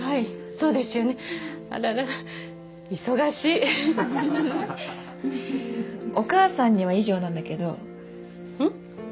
そうですよねあららら忙しいふふふふっ「お母さんには以上なんだけど」ん？